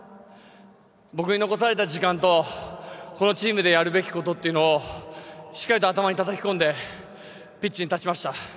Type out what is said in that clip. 僕に残された時間とこのチームでやるべきことというのをしっかりと頭にたたき込んでピッチに立ちました。